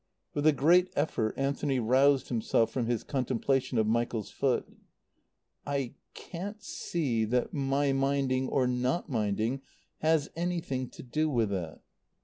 With a great effort Anthony roused himself from his contemplation of Michael's foot. "I can't see that my minding or not minding has anything to do with it."